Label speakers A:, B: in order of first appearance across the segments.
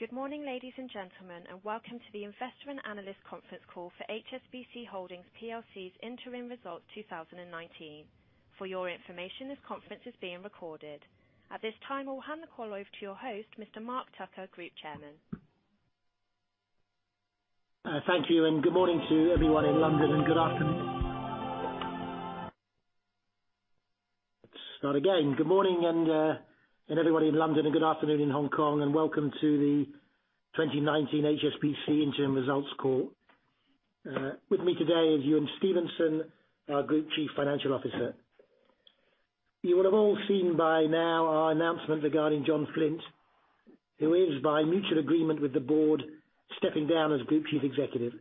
A: Good morning, ladies and gentlemen, welcome to the Investor and Analyst Conference call for HSBC Holdings PLC's interim results 2019. For your information, this conference is being recorded. At this time, I'll hand the call over to your host, Mr. Mark Tucker, Group Chairman.
B: Thank you. Good morning and everybody in London and good afternoon in Hong Kong, welcome to the 2019 HSBC Interim Results call. With me today is Ewen Stevenson, our Group Chief Financial Officer. You would have all seen by now our announcement regarding John Flint, who is, by mutual agreement with the board, stepping down as Group Chief Executive.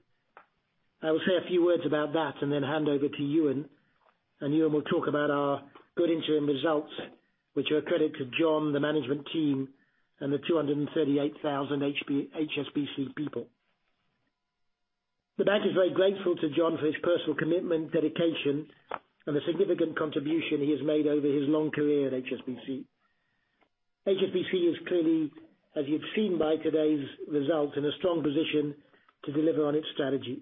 B: I will say a few words about that and then hand over to Ewen. Ewen will talk about our good interim results, which are a credit to John, the management team, and the 238,000 HSBC people. The bank is very grateful to John for his personal commitment, dedication, and the significant contribution he has made over his long career at HSBC. HSBC is clearly, as you've seen by today's results, in a strong position to deliver on its strategy.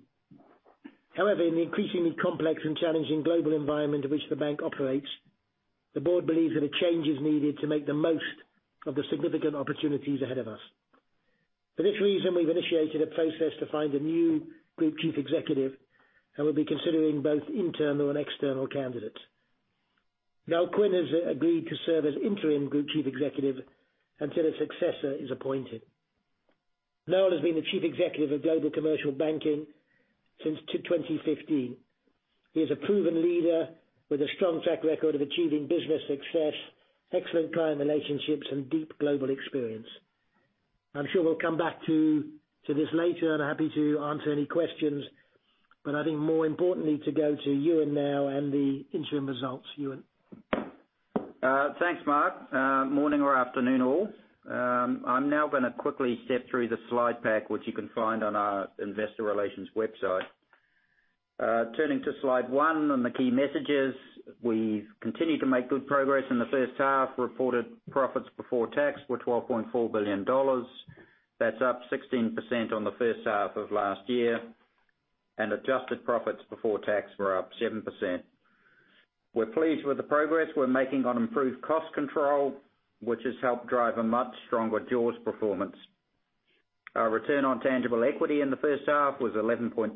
B: However, in the increasingly complex and challenging global environment in which the bank operates, the board believes that a change is needed to make the most of the significant opportunities ahead of us. For this reason, we've initiated a process to find a new group chief executive, and we'll be considering both internal and external candidates. Noel Quinn has agreed to serve as Interim Group Chief Executive until a successor is appointed. Noel has been the Chief Executive of Global Commercial Banking since 2015. He is a proven leader with a strong track record of achieving business success, excellent client relationships, and deep global experience. I'm sure we'll come back to this later and happy to answer any questions, but I think more importantly, to go to Ewen now and the interim results. Ewen?
C: Thanks, Mark. Morning or afternoon, all. I'm now going to quickly step through the slide pack, which you can find on our investor relations website. Turning to slide one and the key messages. We've continued to make good progress in the first half. Reported profits before tax were $12.4 billion. That's up 16% on the first half of last year. Adjusted profits before tax were up 7%. We're pleased with the progress we're making on improved cost control, which has helped drive a much stronger jaws performance. Our return on tangible equity in the first half was 11.2%.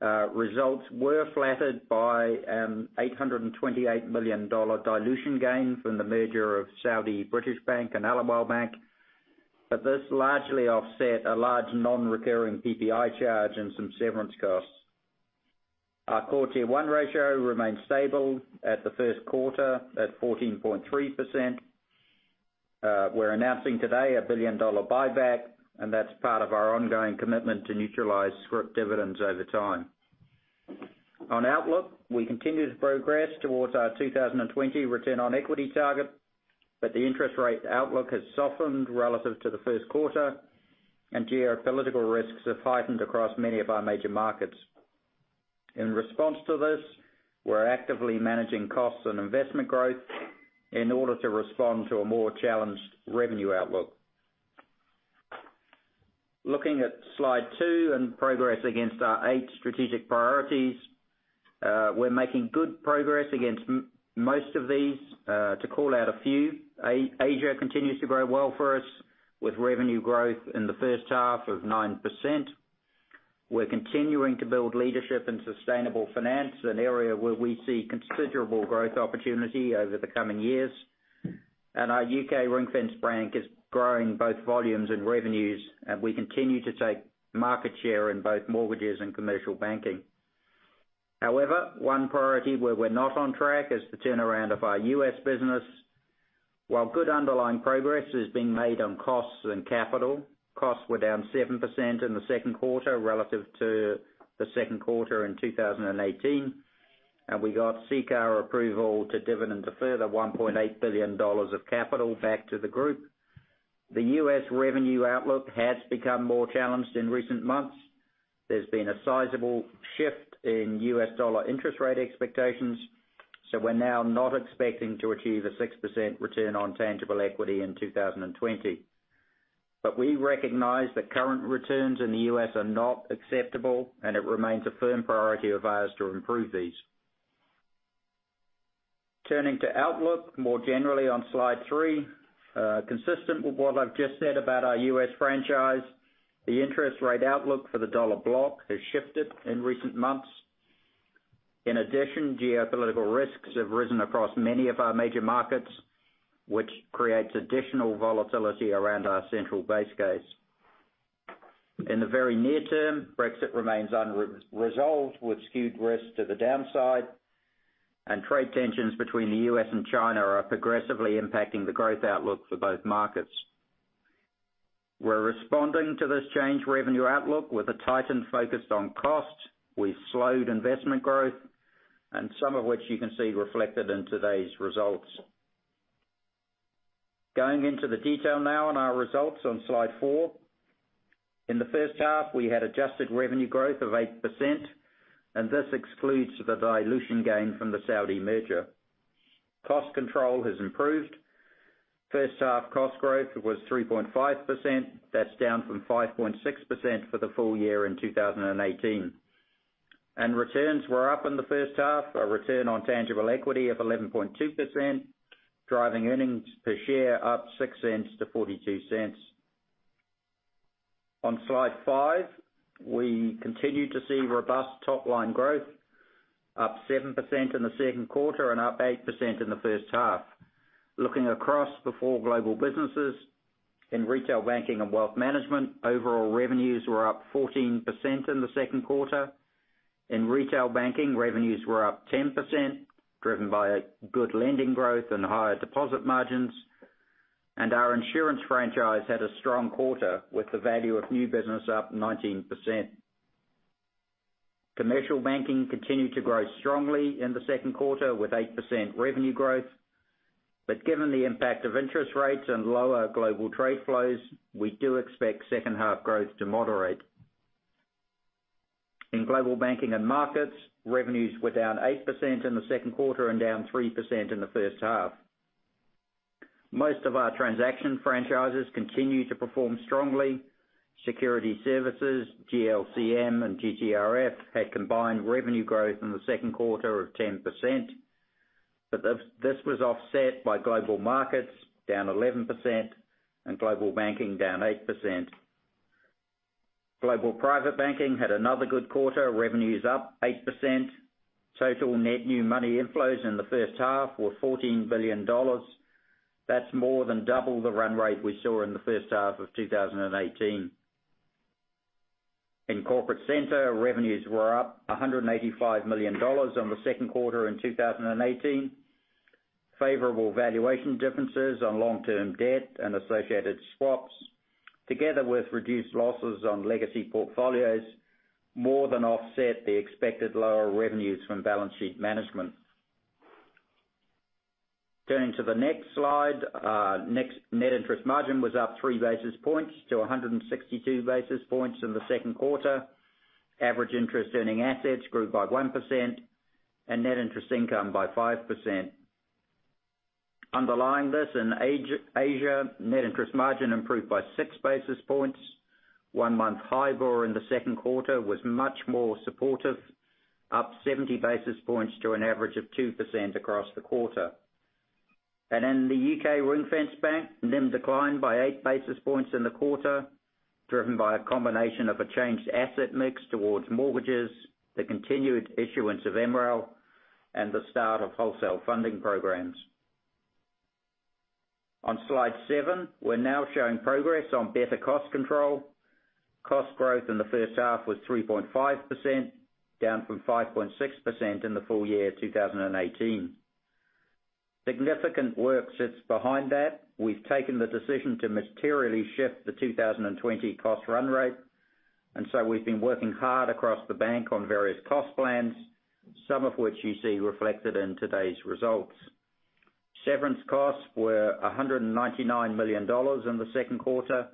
C: Results were flattered by an $828 million dilution gain from the merger of Saudi British Bank and Alawwal Bank. This largely offset a large non-recurring PPI charge and some severance costs. Our Core Tier 1 ratio remains stable at the first quarter at 14.3%. We're announcing today a billion-dollar buyback, and that's part of our ongoing commitment to neutralize scrip dividends over time. On outlook, we continue to progress towards our 2020 return on equity target, but the interest rate outlook has softened relative to the first quarter, and geopolitical risks have heightened across many of our major markets. In response to this, we're actively managing costs and investment growth in order to respond to a more challenged revenue outlook. Looking at slide two and progress against our eight strategic priorities. We're making good progress against most of these. To call out a few, Asia continues to grow well for us with revenue growth in the first half of 9%. We're continuing to build leadership in sustainable finance, an area where we see considerable growth opportunity over the coming years. Our UK ring-fenced bank is growing both volumes and revenues, and we continue to take market share in both mortgages and commercial banking. However, one priority where we're not on track is the turnaround of our U.S. business. While good underlying progress is being made on costs and capital, costs were down 7% in the second quarter relative to the second quarter in 2018. We got CCAR approval to dividend a further $1.8 billion of capital back to the group. The U.S. revenue outlook has become more challenged in recent months. There's been a sizable shift in U.S. dollar interest rate expectations, so we're now not expecting to achieve a 6% return on tangible equity in 2020. We recognize that current returns in the U.S. are not acceptable, and it remains a firm priority of ours to improve these. Turning to outlook more generally on slide three. Consistent with what I've just said about our U.S. franchise, the interest rate outlook for the dollar block has shifted in recent months. Geopolitical risks have risen across many of our major markets, which creates additional volatility around our central base case. In the very near term, Brexit remains unresolved with skewed risks to the downside. Trade tensions between the U.S. and China are progressively impacting the growth outlook for both markets. We're responding to this changed revenue outlook with a tightened focus on cost. We've slowed investment growth, some of which you can see reflected in today's results. Going into the detail now on our results on slide four. In the first half, we had adjusted revenue growth of 8%. This excludes the dilution gain from the Saudi merger. Cost control has improved. First-half cost growth was 3.5%. That's down from 5.6% for the full year in 2018. Returns were up in the first half, a return on tangible equity of 11.2%, driving earnings per share up 0.06 to 0.42. On slide five, we continue to see robust top-line growth, up 7% in the second quarter and up 8% in the first half. Looking across the four global businesses in Retail Banking and Wealth Management, overall revenues were up 14% in the second quarter. In Retail Banking, revenues were up 10%, driven by good lending growth and higher deposit margins. Our insurance franchise had a strong quarter with the value of new business up 19%. Commercial Banking continued to grow strongly in the second quarter with 8% revenue growth. Given the impact of interest rates and lower global trade flows, we do expect second half growth to moderate. In Global Banking and Markets, revenues were down 8% in the second quarter and down 3% in the first half. Most of our transaction franchises continue to perform strongly. Security Services, GLCM, and GTRF had combined revenue growth in the second quarter of 10%. This was offset by Global Markets down 11% and Global Banking down 8%. Global Private Banking had another good quarter, revenues up 8%. Total net new money inflows in the first half were $14 billion. That's more than double the run rate we saw in the first half of 2018. In Corporate Centre, revenues were up $185 million on the second quarter in 2018. Favorable valuation differences on long-term debt and associated swaps, together with reduced losses on legacy portfolios, more than offset the expected lower revenues from balance sheet management. Turning to the next slide. Net interest margin was up 3 basis points to 162 basis points in the second quarter. Average interest-earning assets grew by 1% net interest income by 5%. Underlying this, in Asia, net interest margin improved by 6 basis points. One-month HIBOR in the second quarter was much more supportive, up 70 basis points to an average of 2% across the quarter. In the UK Ring-Fence Bank, NIM declined by 8 basis points in the quarter, driven by a combination of a changed asset mix towards mortgages, the continued issuance of MREL, and the start of wholesale funding programs. On slide seven, we're now showing progress on better cost control. Cost growth in the first half was 3.5%, down from 5.6% in the full year 2018. Significant work sits behind that. We've taken the decision to materially shift the 2020 cost run rate, and so we've been working hard across the bank on various cost plans, some of which you see reflected in today's results. Severance costs were $199 million in the second quarter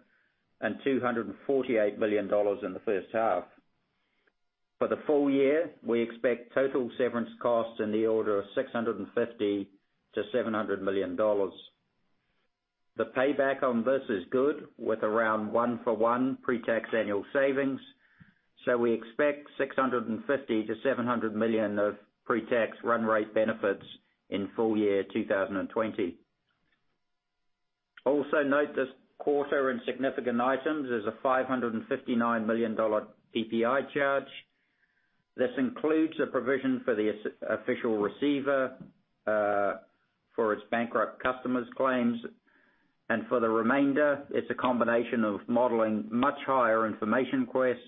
C: and $248 million in the first half. For the full year, we expect total severance costs in the order of $650 million-$700 million. The payback on this is good with around one-for-one pre-tax annual savings. We expect $650 million-$700 million of pre-tax run rate benefits in full year 2020. Also note, this quarter in significant items, there's a $559 million PPI charge. This includes a provision for the official receiver, for its bankrupt customers' claims. For the remainder, it's a combination of modeling much higher information requests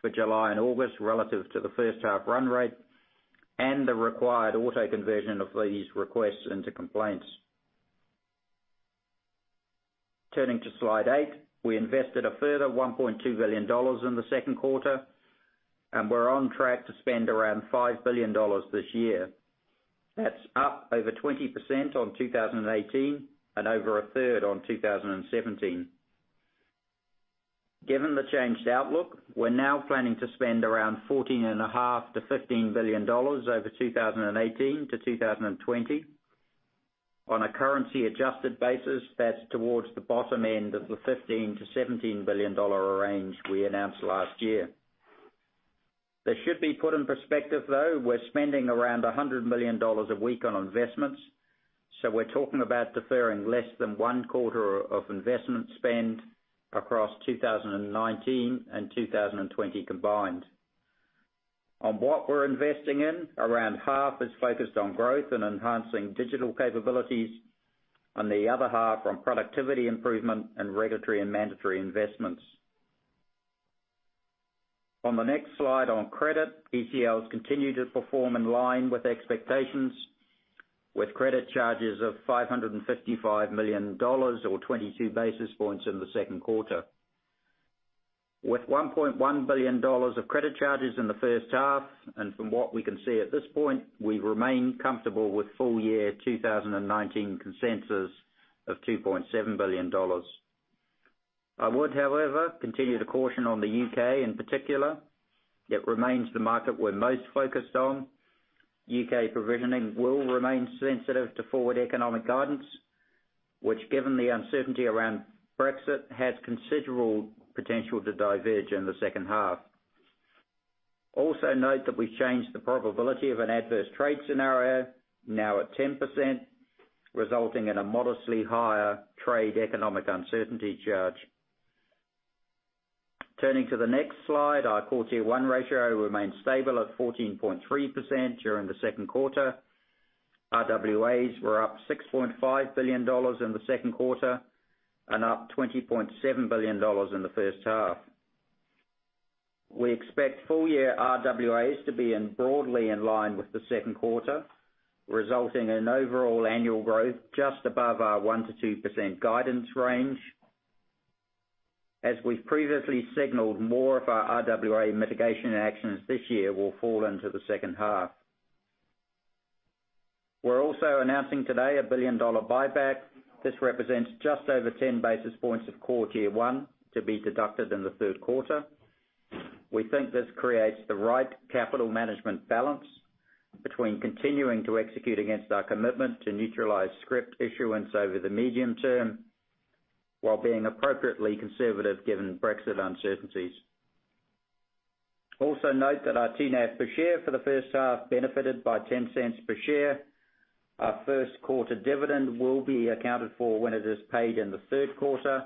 C: for July and August relative to the first half run rate and the required auto-conversion of these requests into complaints. Turning to slide eight, we invested a further GBP 1.2 billion in the second quarter, and we're on track to spend around GBP 5 billion this year. That's up over 20% on 2018 and over a third on 2017. Given the changed outlook, we're now planning to spend around GBP 14.5 billion-GBP 15 billion over 2018 to 2020. On a currency-adjusted basis, that's towards the bottom end of the GBP 15 billion-GBP 17 billion range we announced last year. This should be put in perspective, though. We're spending around GBP 100 million a week on investments, so we're talking about deferring less than one quarter of investment spend across 2019 and 2020 combined. On what we're investing in, around half is focused on growth and enhancing digital capabilities and the other half on productivity improvement and regulatory and mandatory investments. On the next slide, on credit, ECLs continue to perform in line with expectations with credit charges of $555 million or 22 basis points in the second quarter. With $1.1 billion of credit charges in the first half, and from what we can see at this point, we remain comfortable with full year 2019 consensus of $2.7 billion. I would, however, continue to caution on the U.K. in particular. It remains the market we're most focused on. U.K. provisioning will remain sensitive to forward economic guidance, which, given the uncertainty around Brexit, has considerable potential to diverge in the second half. Also note that we've changed the probability of an adverse trade scenario, now at 10%, resulting in a modestly higher trade economic uncertainty charge. Turning to the next slide, our Core Tier 1 ratio remained stable at 14.3% during the second quarter. RWAs were up $6.5 billion in the second quarter and up $20.7 billion in the first half. We expect full year RWAs to be in broadly in line with the second quarter, resulting in overall annual growth just above our 1%-2% guidance range. As we've previously signaled, more of our RWA mitigation actions this year will fall into the second half. We're also announcing today a billion-dollar buyback. This represents just over 10 basis points of Core Tier 1 to be deducted in the third quarter. We think this creates the right capital management balance between continuing to execute against our commitment to neutralize scrip issuance over the medium term, while being appropriately conservative given Brexit uncertainties. Note that our TNAV per share for the first half benefited by $0.10 per share. Our first quarter dividend will be accounted for when it is paid in the third quarter.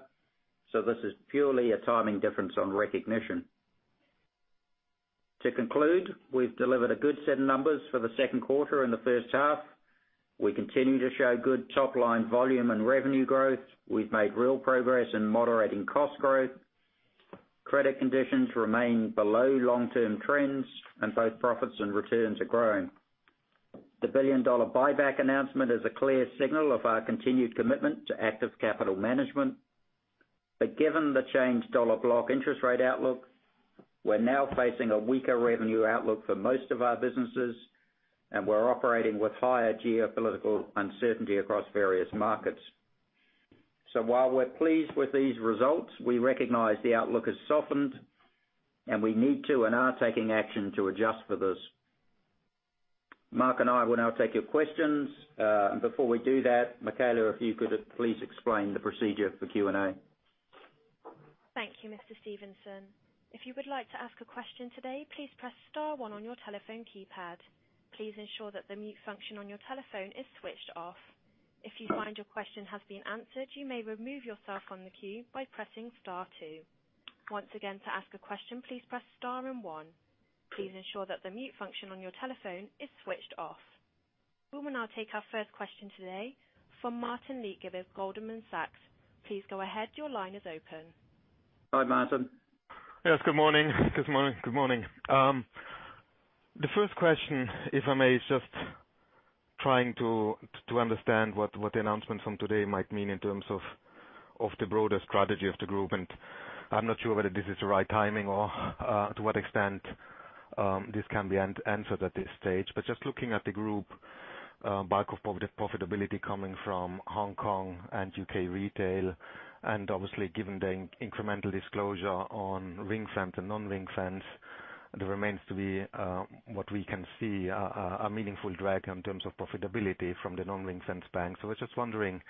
C: This is purely a timing difference on recognition. To conclude, we've delivered a good set of numbers for the second quarter and the first half. We continue to show good top line volume and revenue growth. We've made real progress in moderating cost growth. Credit conditions remain below long-term trends, and both profits and returns are growing. The billion-dollar buyback announcement is a clear signal of our continued commitment to active capital management. Given the changed dollar block interest rate outlook, we're now facing a weaker revenue outlook for most of our businesses, and we're operating with higher geopolitical uncertainty across various markets. While we're pleased with these results, we recognize the outlook has softened, and we need to and are taking action to adjust for this. Mark and I will now take your questions. Before we do that, Michaela, if you could please explain the procedure for Q&A.
A: Thank you, Mr. Stevenson. If you would like to ask a question today, please press star one on your telephone keypad. Please ensure that the mute function on your telephone is switched off. If you find your question has been answered, you may remove yourself from the queue by pressing star two. Once again, to ask a question, please press star and one. Please ensure that the mute function on your telephone is switched off. We will now take our first question today from Martin Leitgeb of Goldman Sachs. Please go ahead. Your line is open.
C: Hi, Martin.
D: Yes, good morning. The first question, if I may, is just trying to understand what the announcements from today might mean in terms of the broader strategy of the group. I'm not sure whether this is the right timing or to what extent this can be answered at this stage. Just looking at the group, bulk of profitability coming from Hong Kong and U.K. retail, and obviously given the incremental disclosure on ring-fence and non-ring-fence, there remains to be, what we can see, a meaningful drag in terms of profitability from the non-ring-fence bank. I was just wondering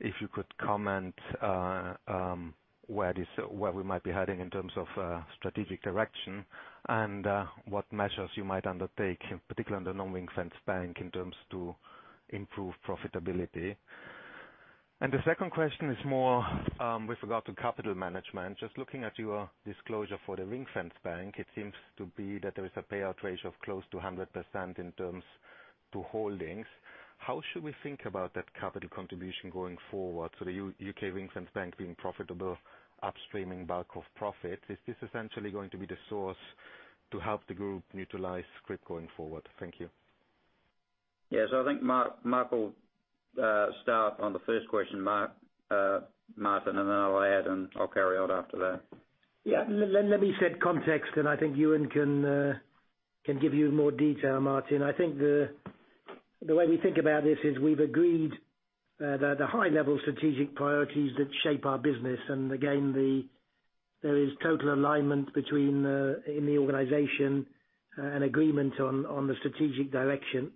D: if you could comment, where we might be heading in terms of strategic direction and what measures you might undertake, particularly in the non-ring-fence bank, in terms to improve profitability. The second question is more with regard to capital management. Just looking at your disclosure for the ring-fenced bank, it seems to be that there is a payout ratio of close to 100% in terms to holdings. How should we think about that capital contribution going forward? The U.K. ring-fenced bank being profitable, upstreaming bulk of profit. Is this essentially going to be the source to help the group neutralize scrip going forward? Thank you.
C: Yeah. I think Mark will start on the first question, Martin, and then I'll add and I'll carry on after that.
B: Yeah. Let me set context. I think Ewen can give you more detail, Martin. I think the way we think about this is we've agreed that the high-level strategic priorities that shape our business. Again, there is total alignment in the organization and agreement on the strategic direction.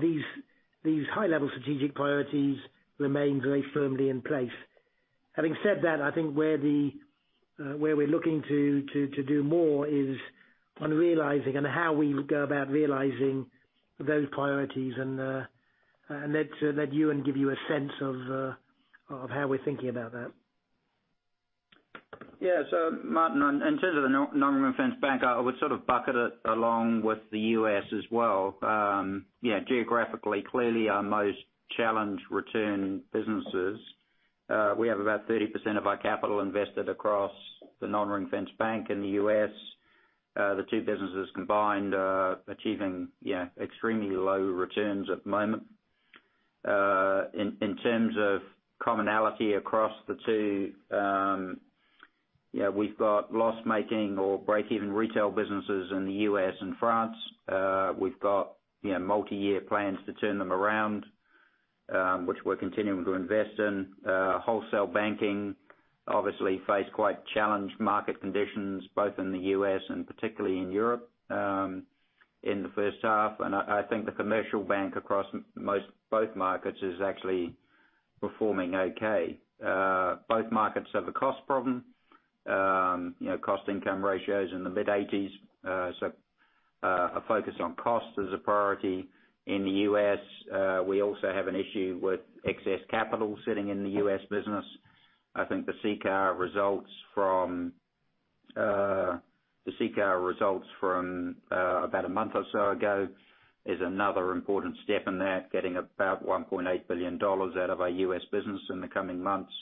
B: These high-level strategic priorities remain very firmly in place. Having said that, I think where we're looking to do more is on realizing and how we go about realizing those priorities. Let Ewen give you a sense of how we're thinking about that.
C: Yeah. Martin, in terms of the non-ring-fence bank, I would sort of bucket it along with the U.S. as well. Geographically, clearly our most challenged return businesses. We have about 30% of our capital invested across the non-ring-fence bank in the U.S. The two businesses combined are achieving extremely low returns at the moment. In terms of commonality across the two. Yeah, we've got loss-making or break-even retail businesses in the U.S. and France. We've got multi-year plans to turn them around, which we're continuing to invest in. Wholesale banking obviously faced quite challenged market conditions, both in the U.S. and particularly in Europe in the first half. I think the commercial bank across both markets is actually performing okay. Both markets have a cost problem. Cost income ratio is in the mid-80s. A focus on cost is a priority. In the U.S., we also have an issue with excess capital sitting in the U.S. business. I think the CCAR results from about a month or so ago is another important step in that, getting about $1.8 billion out of our U.S. business in the coming months.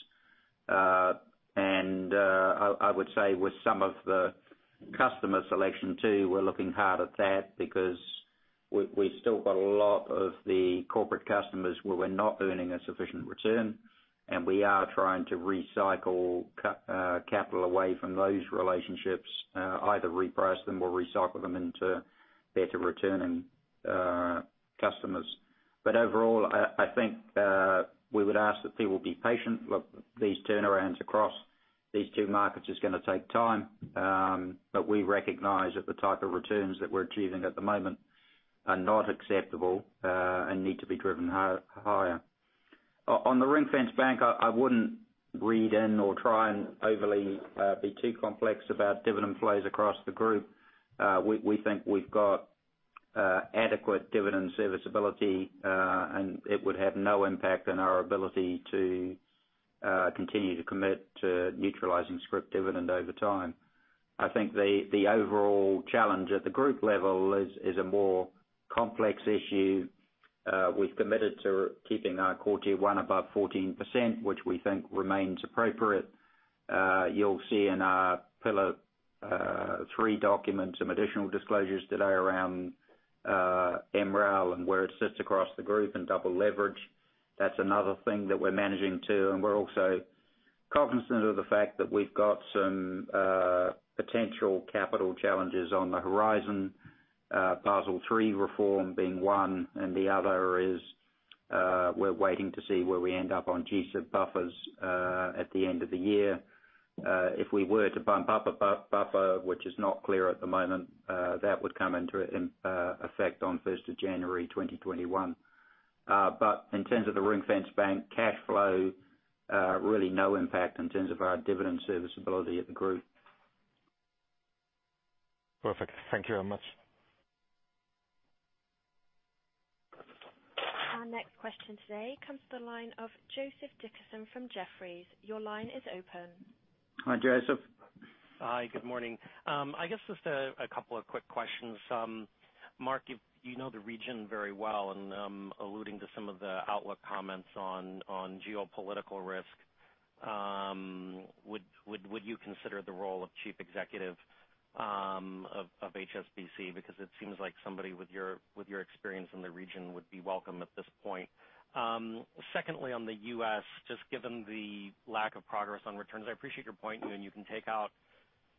C: I would say with some of the customer selection too, we're looking hard at that because we've still got a lot of the corporate customers where we're not earning a sufficient return, and we are trying to recycle capital away from those relationships, either reprice them or recycle them into better returning customers. Overall, I think, we would ask that people be patient. Look, these turnarounds across these two markets is going to take time. We recognize that the type of returns that we're achieving at the moment are not acceptable, and need to be driven higher. On the ring-fence bank, I wouldn't read in or try and overly be too complex about dividend flows across the group. We think we've got adequate dividend serviceability, and it would have no impact on our ability to continue to commit to neutralizing scrip dividend over time. I think the overall challenge at the group level is a more complex issue. We've committed to keeping our Core Tier 1 above 14%, which we think remains appropriate. You'll see in our Pillar 3 documents some additional disclosures today around MREL and where it sits across the group and double leverage. That's another thing that we're managing too, and we're also cognizant of the fact that we've got some potential capital challenges on the horizon. Basel III reform being one, and the other is, we're waiting to see where we end up on G-SIB buffers at the end of the year. If we were to bump up a buffer, which is not clear at the moment, that would come into effect on 1st of January 2021. In terms of the ring-fence bank cash flow, really no impact in terms of our dividend serviceability of the group.
D: Perfect. Thank you very much.
A: Our next question today comes to the line of Joseph Dickerson from Jefferies. Your line is open.
C: Hi, Joseph.
E: Hi. Good morning. I guess just a couple of quick questions. Mark, you know the region very well and I'm alluding to some of the outlook comments on geopolitical risk. Would you consider the role of chief executive of HSBC? Because it seems like somebody with your experience in the region would be welcome at this point. Secondly, on the U.S., just given the lack of progress on returns, I appreciate your point, and you can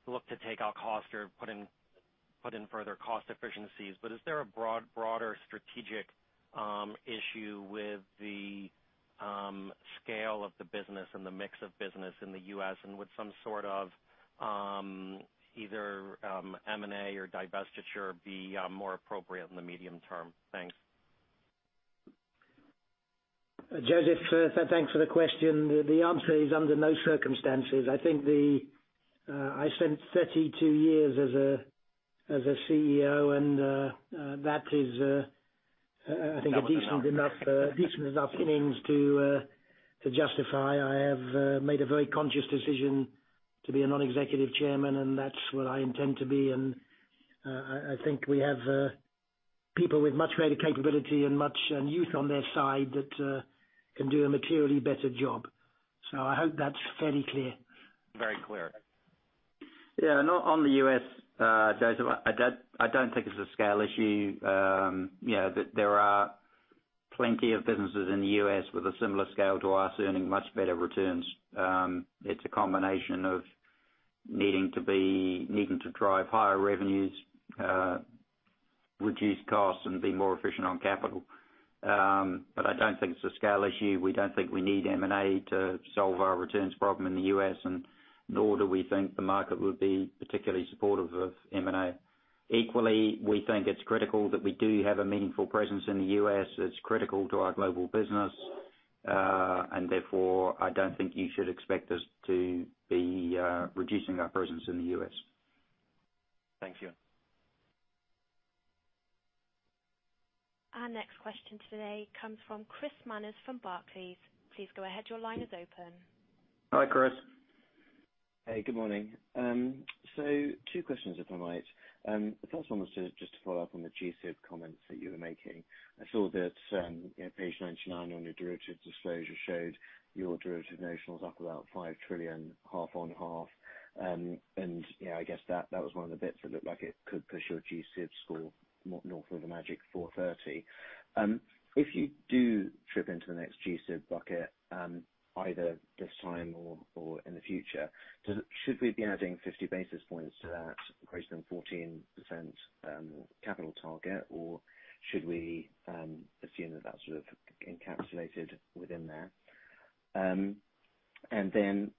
E: look to take out cost or put in further cost efficiencies. Is there a broader strategic issue with the scale of the business and the mix of business in the U.S., and would some sort of either M&A or divestiture be more appropriate in the medium term? Thanks.
B: Joseph, thanks for the question. The answer is under no circumstances. I spent 32 years as a CEO and that is I think a decent enough innings to justify. I have made a very conscious decision to be a non-executive chairman, and that's what I intend to be. I think we have people with much greater capability and youth on their side that can do a materially better job. I hope that's fairly clear.
E: Very clear.
C: Yeah. On the U.S., Joseph, I don't think it's a scale issue. There are plenty of businesses in the U.S. with a similar scale to us earning much better returns. It's a combination of needing to drive higher revenues, reduce costs, and be more efficient on capital. I don't think it's a scale issue. We don't think we need M&A to solve our returns problem in the U.S., nor do we think the market would be particularly supportive of M&A. Equally, we think it's critical that we do have a meaningful presence in the U.S. It's critical to our global business. Therefore, I don't think you should expect us to be reducing our presence in the U.S.
E: Thank you.
A: Our next question today comes from Chris Manners from Barclays. Please go ahead, your line is open.
C: Hi, Chris.
F: Hey, good morning. Two questions, if I might. The first one was just to follow up on the G-SIB comments that you were making. I saw that page 99 on your derivatives disclosure showed your derivative notionals up about $5 trillion half on half. Yeah, I guess that was one of the bits that looked like it could push your G-SIB score north of the magic 430. If you do trip into the next G-SIB bucket, either this time or in the future, should we be adding 50 basis points to that greater than 14% capital target? Should we assume that's encapsulated within there?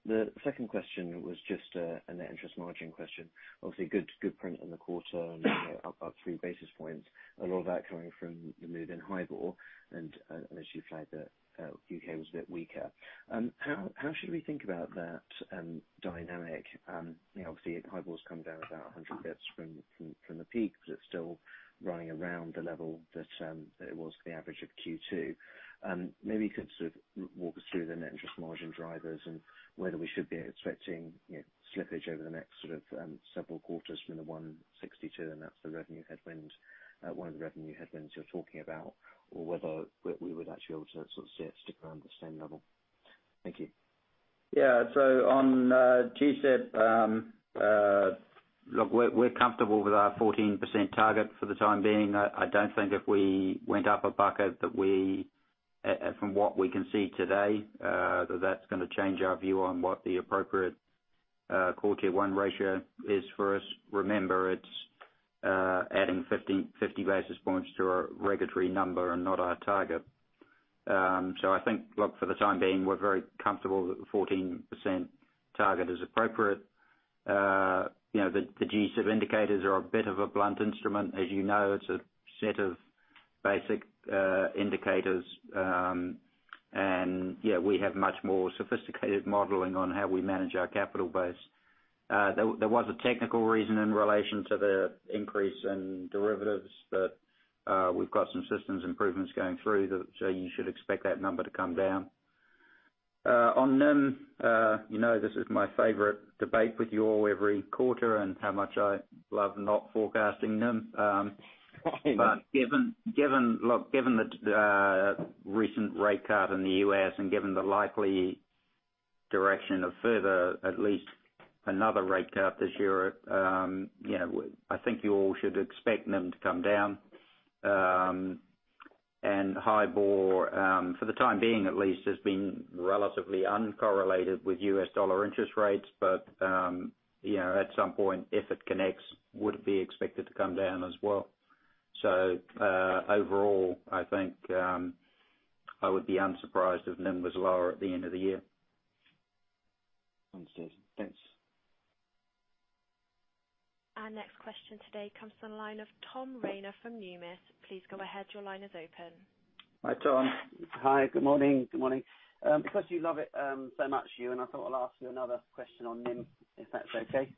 F: The second question was just a net interest margin question. Obviously, good print in the quarter and up three basis points. A lot of that coming from the move in HIBOR, and as you flagged, the U.K. was a bit weaker. How should we think about that dynamic? Obviously, HIBOR's come down about 100 basis points from the peak, but it's still running around the level that it was the average at Q2. Maybe you could walk us through the net interest margin drivers and whether we should be expecting slippage over the next several quarters from the 162, and that's one of the revenue headwinds you're talking about, or whether we would actually be able to see it stick around the same level. Thank you.
C: On G-SIB, look, we're comfortable with our 14% target for the time being. I don't think if we went up a bucket that from what we can see today, that's going to change our view on what the appropriate Core Tier 1 ratio is for us. Remember, it's adding 50 basis points to our regulatory number and not our target. I think, look, for the time being, we're very comfortable that the 14% target is appropriate. The G-SIB indicators are a bit of a blunt instrument. As you know, it's a set of basic indicators. Yeah, we have much more sophisticated modeling on how we manage our capital base. There was a technical reason in relation to the increase in derivatives, we've got some systems improvements going through, you should expect that number to come down. On NIM, you know this is my favorite debate with you all every quarter and how much I love not forecasting NIM. Given the recent rate cut in the U.S. and given the likely direction of further at least another rate cut this year, I think you all should expect NIM to come down. HIBOR, for the time being at least, has been relatively uncorrelated with U.S. dollar interest rates. At some point, if it connects, would be expected to come down as well. Overall, I think I would be unsurprised if NIM was lower at the end of the year.
F: Understood. Thanks.
A: Our next question today comes from the line of Tom Rayner from Numis. Please go ahead. Your line is open.
C: Hi, Tom.
G: Hi, good morning. You love it so much, Ewen, I thought I'll ask you another question on NIM, if that's okay?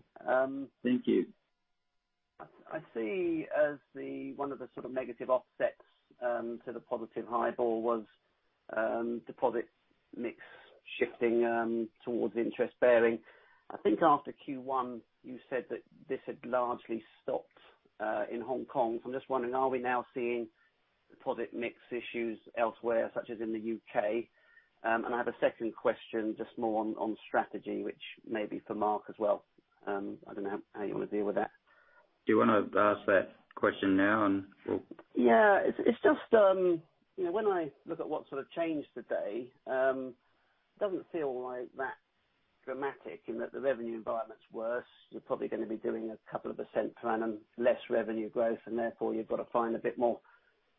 C: Thank you.
G: I see as one of the negative offsets to the positive HIBOR was deposit mix shifting towards interest bearing. I think after Q1, you said that this had largely stopped in Hong Kong. I'm just wondering, are we now seeing deposit mix issues elsewhere, such as in the UK? I have a second question, just more on strategy, which may be for Mark as well. I don't know how you want to deal with that.
C: Do you want to ask that question now?
G: Yeah. It's just, when I look at what's changed today, it doesn't feel like that dramatic in that the revenue environment's worse. You're probably going to be doing a couple of % plan and less revenue growth, and therefore you've got to find a bit more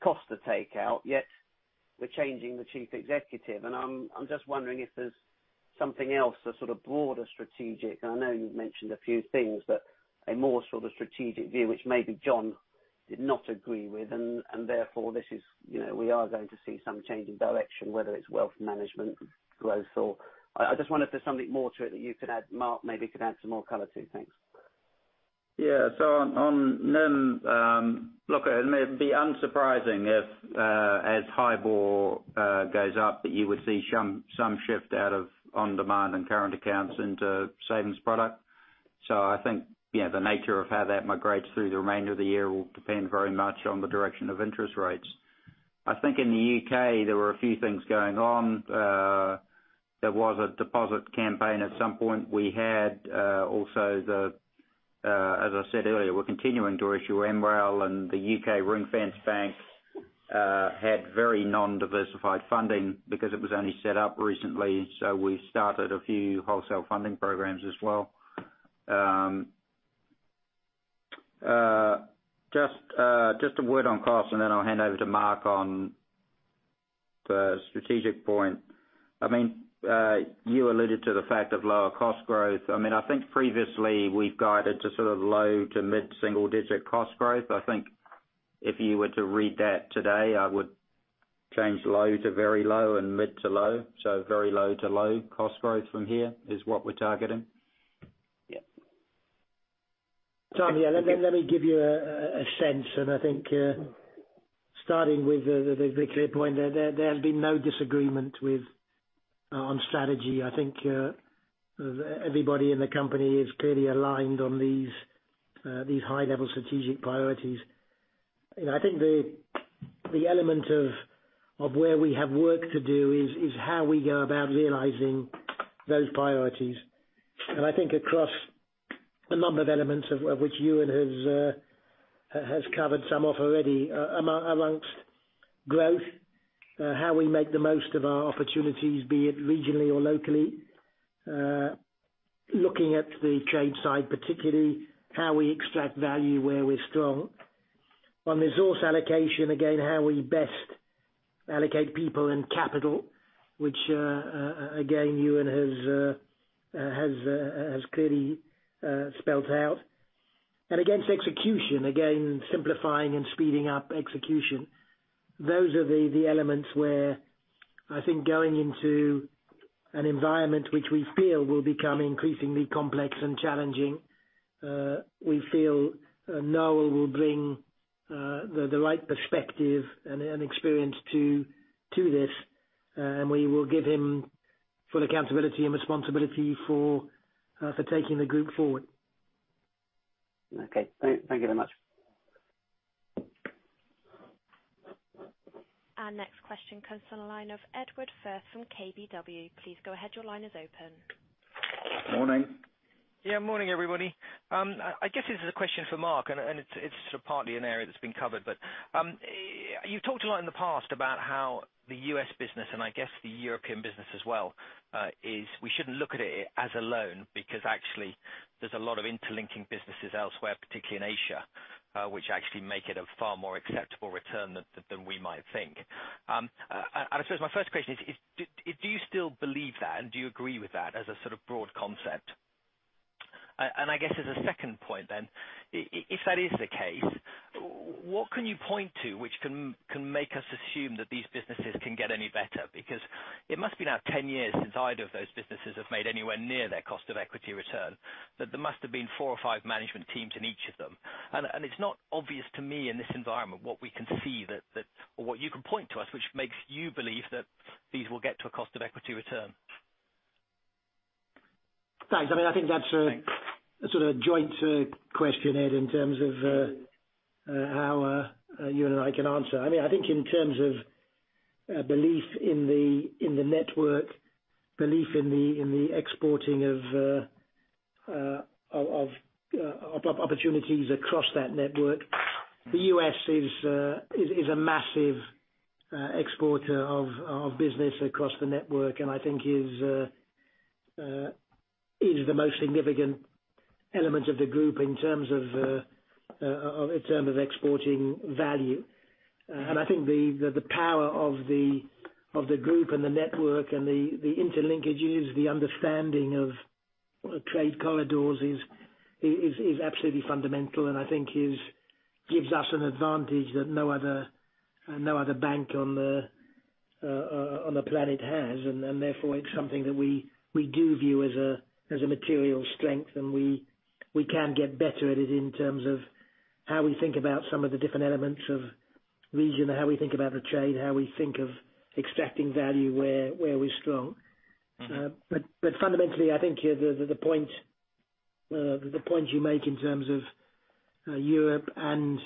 G: cost to take out, yet we're changing the chief executive. I'm just wondering if there's something else, a broader strategic. I know you've mentioned a few things, but a more strategic view, which maybe John did not agree with, and therefore we are going to see some change in direction, whether it's wealth management growth or I just wonder if there's something more to it that you could add. Mark maybe could add some more color, too. Thanks.
C: On NIM, look, it may be unsurprising if as HIBOR goes up, that you would see some shift out of on-demand and current accounts into savings product. I think the nature of how that migrates through the remainder of the year will depend very much on the direction of interest rates. I think in the U.K., there were a few things going on. There was a deposit campaign at some point. We had also the, as I said earlier, we're continuing to issue MREL and the U.K. ring-fence bank had very non-diversified funding because it was only set up recently. We started a few wholesale funding programs as well. Just a word on cost, and then I'll hand over to Mark on the strategic point. You alluded to the fact of lower cost growth. I think previously we've guided to low to mid single digit cost growth. I think if you were to read that today, I would change low to very low and mid to low. Very low to low cost growth from here is what we're targeting.
G: Yeah.
B: Tom, let me give you a sense. I think starting with the clear point, there has been no disagreement on strategy. I think everybody in the company is clearly aligned on these high-level strategic priorities. I think the element of where we have work to do is how we go about realizing those priorities. I think across a number of elements, of which Ewen has covered some off already, amongst growth, how we make the most of our opportunities, be it regionally or locally. Looking at the trade side, particularly how we extract value where we're strong. On resource allocation, again, how we best allocate people and capital, which again, Ewen has clearly spelt out. Against execution, again, simplifying and speeding up execution. Those are the elements where I think going into an environment which we feel will become increasingly complex and challenging, we feel Noel will bring the right perspective and experience to this. We will give him full accountability and responsibility for taking the group forward.
G: Okay. Thank you very much.
A: Our next question comes from the line of Edward Firth from KBW. Please go ahead. Your line is open.
H: Morning. Morning, everybody. I guess this is a question for Mark. It's partly an area that's been covered, but you've talked a lot in the past about how the U.S. business and I guess the European business as well is we shouldn't look at it as alone, because actually there's a lot of interlinking businesses elsewhere, particularly in Asia, which actually make it a far more acceptable return than we might think. I suppose my first question is, do you still believe that, and do you agree with that as a broad concept? I guess as a second point, if that is the case, what can you point to which can make us assume that these businesses can get any better? It must have been now 10 years since either of those businesses have made anywhere near their cost of equity return, that there must have been four or five management teams in each of them. It's not obvious to me in this environment what we can see that or what you can point to us, which makes you believe that these will get to a cost of equity return.
B: Thanks. I think that's a joint question, Ed, in terms of how Ewen and I can answer. I think in terms of belief in the network, belief in the exporting of opportunities across that network. The U.S. is a massive exporter of business across the network, I think is the most significant element of the group in terms of exporting value. I think the power of the group and the network and the interlinkages, the understanding of trade corridors is absolutely fundamental and I think gives us an advantage that no other bank on the planet has. Therefore, it's something that we do view as a material strength, and we can get better at it in terms of how we think about some of the different elements of region, how we think about the trade, how we think of extracting value where we're strong. Fundamentally, I think the point you make in terms of Europe and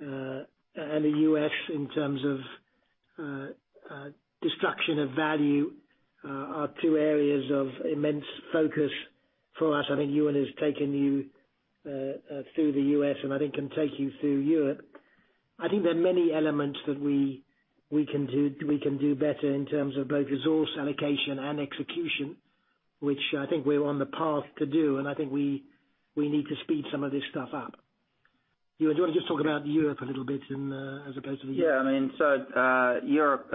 B: the U.S. in terms of destruction of value are two areas of immense focus for us. I think Ewen has taken you through the U.S., and I think can take you through Europe. I think there are many elements that we can do better in terms of both resource allocation and execution, which I think we're on the path to do. I think we need to speed some of this stuff up. Ewen, do you want to just talk about Europe a little bit as opposed to the U.S.?
C: Europe,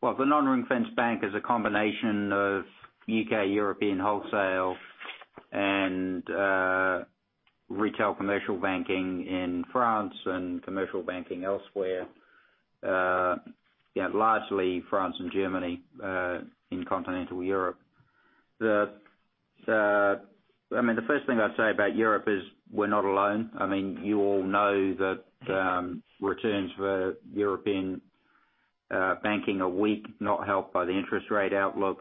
C: well, the non-ring-fenced bank is a combination of U.K. European wholesale and retail commercial banking in France and commercial banking elsewhere. Largely France and Germany, in continental Europe. The first thing I'd say about Europe is we're not alone. You all know that returns for European banking are weak, not helped by the interest rate outlook.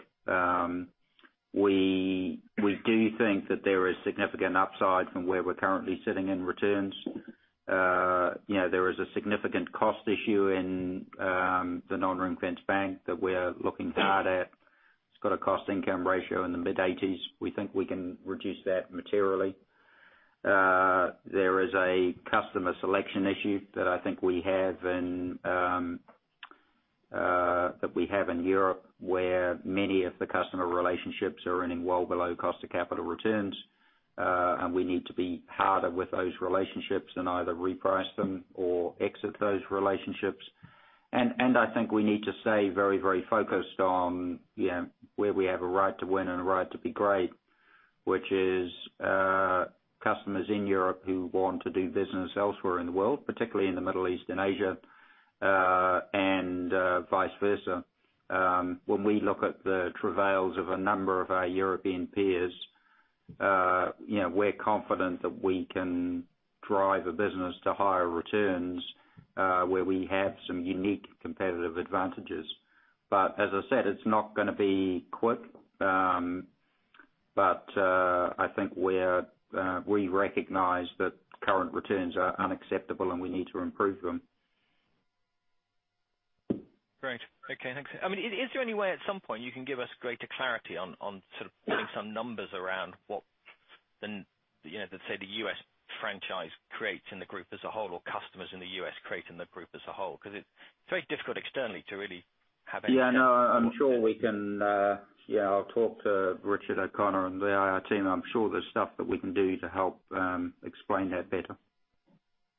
C: We do think that there is significant upside from where we're currently sitting in returns. There is a significant cost issue in the non-ring-fenced bank that we're looking hard at. It's got a cost-income ratio in the mid-80s. We think we can reduce that materially. There is a customer selection issue that I think we have in Europe, where many of the customer relationships are earning well below cost of capital returns. We need to be harder with those relationships and either reprice them or exit those relationships. I think we need to stay very focused on where we have a right to win and a right to be great. Which is customers in Europe who want to do business elsewhere in the world, particularly in the Middle East and Asia, and vice versa. When we look at the travails of a number of our European peers, we're confident that we can drive a business to higher returns, where we have some unique competitive advantages. As I said, it's not going to be quick. I think we recognize that current returns are unacceptable, and we need to improve them.
H: Great. Okay, thanks. Is there any way, at some point, you can give us greater clarity on putting some numbers around what, let's say, the U.S. franchise creates in the group as a whole, or customers in the U.S. create in the group as a whole? Because it's very difficult externally to really have.
C: Yeah, I'll talk to Richard O'Connor and the IR team. I'm sure there's stuff that we can do to help explain that better.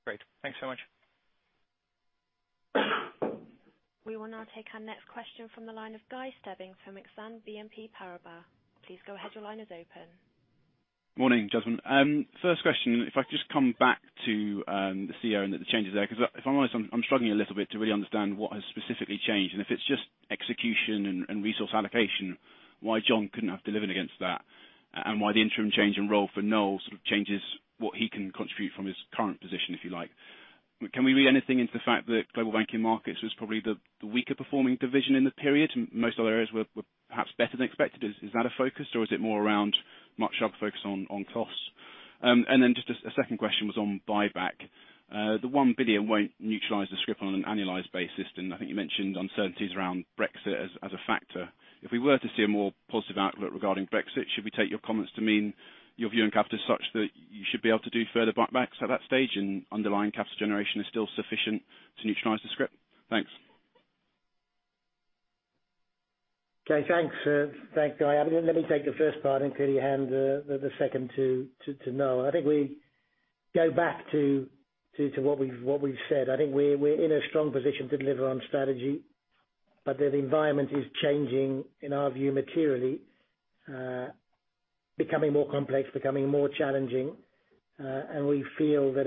H: Great. Thanks so much.
A: We will now take our next question from the line of Guy Stebbings from Exane BNP Paribas. Please go ahead. Your line is open.
I: Morning, gentlemen. First question, if I could just come back to the CEO and the changes there, because if I'm honest, I'm struggling a little bit to really understand what has specifically changed. If it's just execution and resource allocation, why John couldn't have delivered against that, and why the interim change in role for Noel changes what he can contribute from his current position, if you like. Can we read anything into the fact that Global Banking Markets was probably the weaker performing division in the period? Most other areas were perhaps better than expected. Is that a focus or is it more around much sharper focus on costs? Just as a second question was on buyback. The $1 billion won't neutralize the scrip on an annualized basis. I think you mentioned uncertainties around Brexit as a factor. If we were to see a more positive outlook regarding Brexit, should we take your comments to mean you're viewing capital such that you should be able to do further buybacks at that stage, and underlying capital generation is still sufficient to neutralize the scrip? Thanks.
B: Okay. Thanks, Guy. Let me take the first part and clearly hand the second to Noel. I think we go back to what we've said. I think we're in a strong position to deliver on strategy, but that environment is changing, in our view, materially. Becoming more complex, becoming more challenging. And we feel that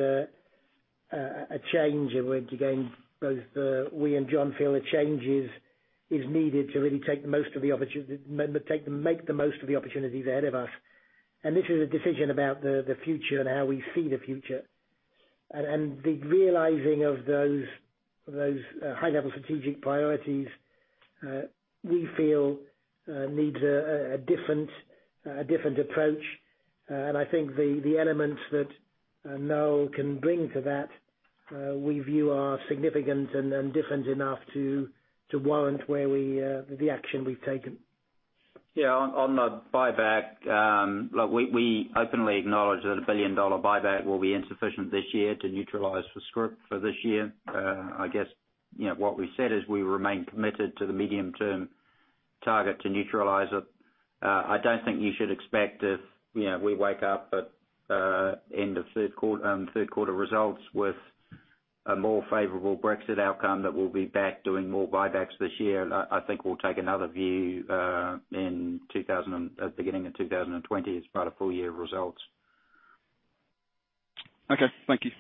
B: a change in which, again, both we and John feel a change is needed to really make the most of the opportunities ahead of us. And this is a decision about the future and how we see the future. And the realizing of those high-level strategic priorities, we feel needs a different approach. And I think the elements that Noel can bring to that, we view are significant and different enough to warrant the action we've taken.
C: On the buyback, we openly acknowledge that a $1 billion-dollar buyback will be insufficient this year to neutralize the scrip for this year. What we said is we remain committed to the medium-term target to neutralize it. I don't think you should expect if we wake up at end of third quarter results with a more favorable Brexit outcome, that we'll be back doing more buybacks this year. I think we'll take another view at the beginning of 2020 as part of full-year results.
I: Okay. Thank you.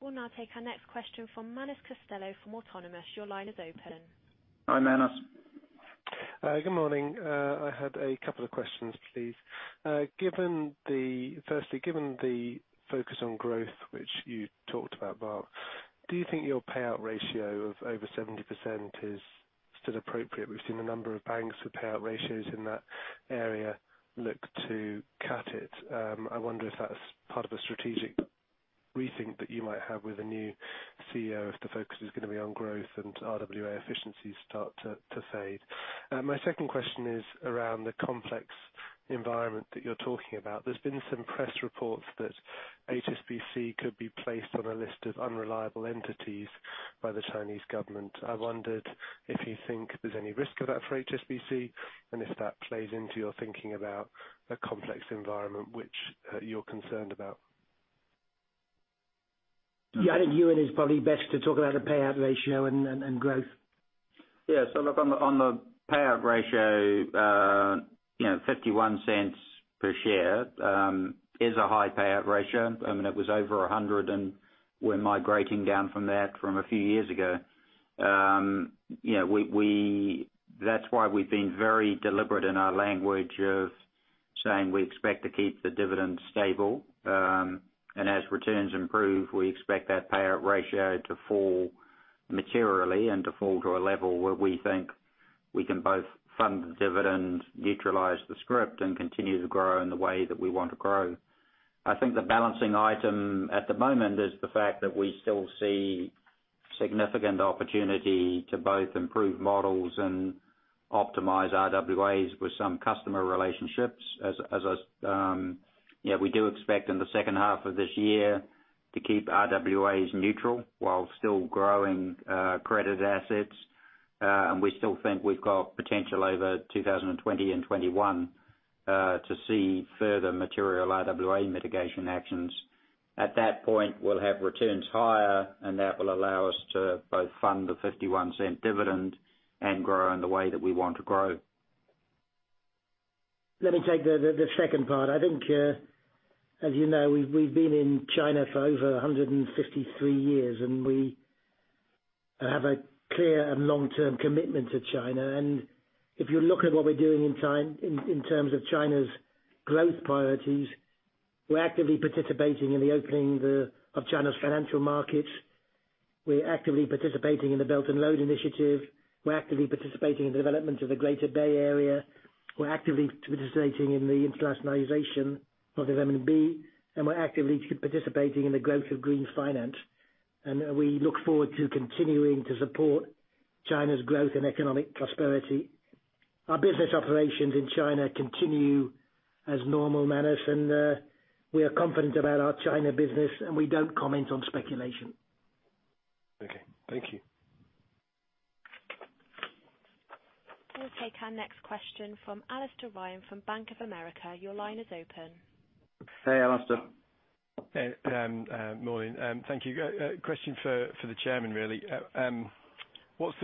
A: We'll now take our next question from Manus Costello from Autonomous. Your line is open.
C: Hi, Manus.
J: Good morning. I had a couple of questions, please. Firstly, given the focus on growth, which you talked about, Noel, do you think your payout ratio of over 70% is still appropriate? We've seen a number of banks with payout ratios in that area look to cut it. I wonder if that's part of a strategic rethink that you might have with a new CEO if the focus is going to be on growth and RWA efficiencies start to fade. My second question is around the complex environment that you're talking about. There's been some press reports that HSBC could be placed on a list of unreliable entities by the Chinese government. I wondered if you think there's any risk of that for HSBC, and if that plays into your thinking about a complex environment which you're concerned about.
B: Yeah. I think Ewen is probably best to talk about the payout ratio and growth.
C: Look on the payout ratio, $0.51 per share is a high payout ratio. It was over 100 and we're migrating down from that from a few years ago. That's why we've been very deliberate in our language of saying we expect to keep the dividend stable. As returns improve, we expect that payout ratio to fall materially and to fall to a level where we think we can both fund the dividend, neutralize the scrip, and continue to grow in the way that we want to grow. I think the balancing item at the moment is the fact that we still see significant opportunity to both improve models and optimize RWAs with some customer relationships. We do expect in the second half of this year to keep RWAs neutral while still growing credit assets. We still think we've got potential over 2020 and 2021 to see further material RWA mitigation actions. At that point, we'll have returns higher, and that will allow us to both fund the $0.51 dividend and grow in the way that we want to grow.
B: Let me take the second part. I think, as you know, we've been in China for over 153 years, and we have a clear and long-term commitment to China. If you look at what we're doing in terms of China's growth priorities, we're actively participating in the opening of China's financial markets. We're actively participating in the Belt and Road Initiative. We're actively participating in the development of the Greater Bay Area. We're actively participating in the internationalization of the RMB, and we're actively participating in the growth of green finance. We look forward to continuing to support China's growth and economic prosperity. Our business operations in China continue as normal matters, and we are confident about our China business, and we don't comment on speculation.
J: Okay. Thank you.
A: We'll take our next question from Alastair Ryan from Bank of America. Your line is open.
C: Hey, Alastair.
K: Morning. Thank you. Question for the chairman, really. While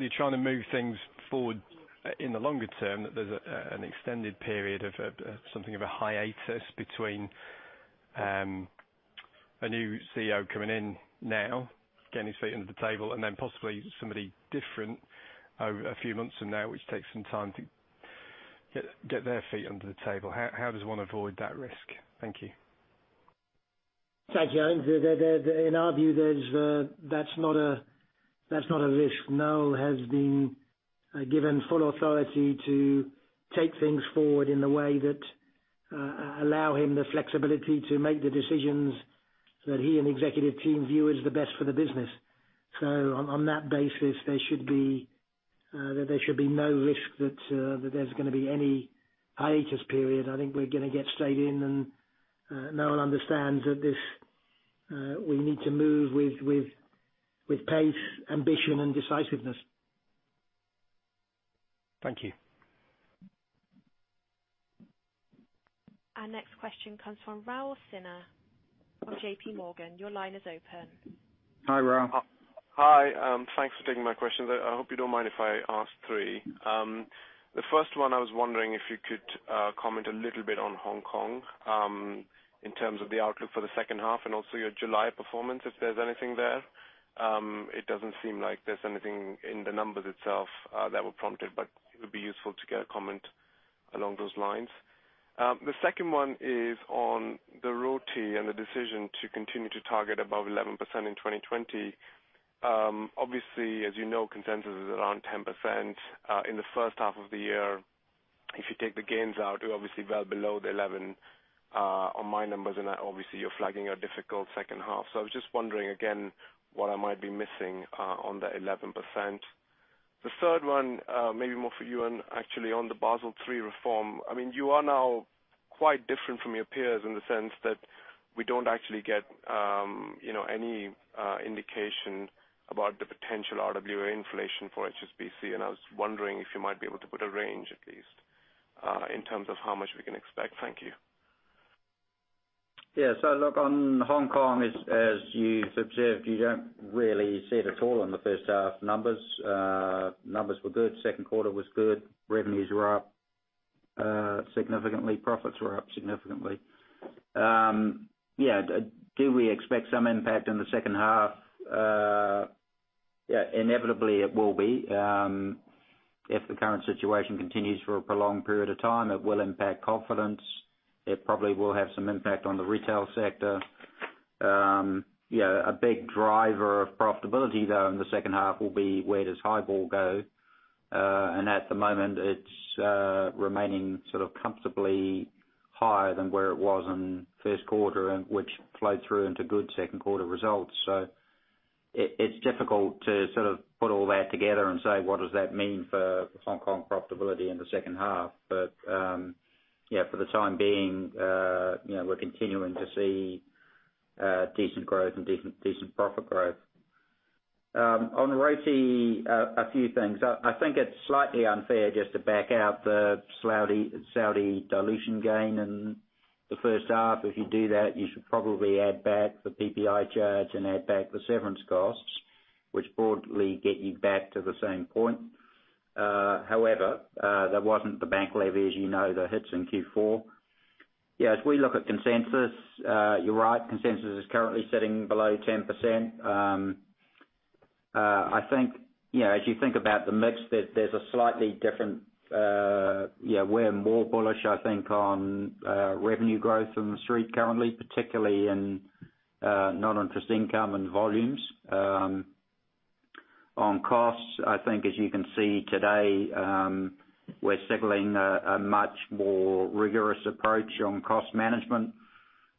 K: you're trying to move things forward in the longer term, there's an extended period of something of a hiatus between a new CEO coming in now, getting his feet under the table, and then possibly somebody different a few months from now, which takes some time to get their feet under the table. How does one avoid that risk? Thank you.
B: Thank you. In our view, that's not a risk. Noel has been given full authority to take things forward in the way that allow him the flexibility to make the decisions that he and the executive team view as the best for the business. On that basis, there should be no risk that there's going to be any hiatus period. I think we're going to get straight in. Noel understands that we need to move with pace, ambition, and decisiveness.
K: Thank you.
A: Our next question comes from Raul Sinha from JP Morgan. Your line is open.
C: Hi, Raul.
L: Hi. Thanks for taking my questions. I hope you don't mind if I ask three. The first one, I was wondering if you could comment a little bit on Hong Kong, in terms of the outlook for the second half and also your July performance, if there's anything there. It doesn't seem like there's anything in the numbers itself that were prompted, but it would be useful to get a comment along those lines. The second one is on the ROTE and the decision to continue to target above 11% in 2020. Obviously, as you know, consensus is around 10% in the first half of the year. If you take the gains out, we're obviously well below the 11 on my numbers, and obviously, you're flagging a difficult second half. I was just wondering again, what I might be missing on the 11%. The third one, maybe more for you, and actually on the Basel III reform. You are now quite different from your peers in the sense that we don't actually get any indication about the potential RWA inflation for HSBC. I was wondering if you might be able to put a range at least in terms of how much we can expect. Thank you.
C: Yeah. Look on Hong Kong, as you've observed, you don't really see it at all in the first half numbers. Numbers were good. Second quarter was good. Revenues were up significantly. Profits were up significantly. Do we expect some impact in the second half? Inevitably, it will be. If the current situation continues for a prolonged period of time, it will impact confidence. It probably will have some impact on the retail sector. A big driver of profitability, though, in the second half will be where does HIBOR go? At the moment, it's remaining comfortably higher than where it was in first quarter, which flowed through into good second quarter results. It's difficult to put all that together and say, what does that mean for Hong Kong profitability in the second half. For the time being, we're continuing to see decent growth and decent profit growth. On ROTE, a few things. I think it's slightly unfair just to back out the Saudi dilution gain in the first half. If you do that, you should probably add back the PPI charge and add back the severance costs, which broadly get you back to the same point. That wasn't the bank levy as you know, the hits in Q4. We look at consensus, you're right. Consensus is currently sitting below 10%. You think about the mix, we're more bullish, I think, on revenue growth than the Street currently, particularly in non-interest income and volumes. On costs, I think as you can see today, we're signaling a much more rigorous approach on cost management.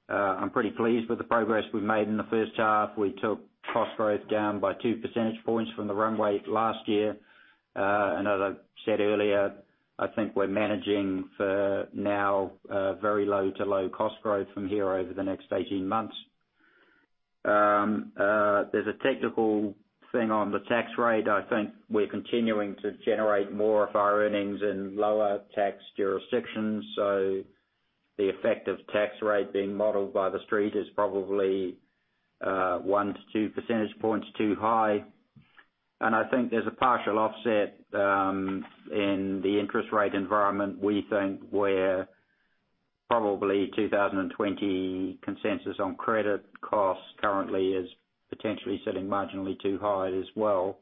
C: I'm pretty pleased with the progress we've made in the first half. We took cost growth down by two percentage points from the runway last year. As I said earlier, I think we're managing for now very low to low cost growth from here over the next 18 months. There's a technical thing on the tax rate. I think we're continuing to generate more of our earnings in lower tax jurisdictions. The effect of tax rate being modeled by the Street is probably 1-2 percentage points too high. I think there's a partial offset in the interest rate environment. We think we're probably 2020 consensus on credit costs currently is potentially sitting marginally too high as well,